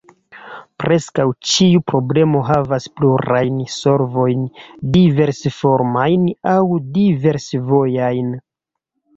Preskaŭ ĉiu problemo havas plurajn solvojn diversformajn aŭ diversvojajn.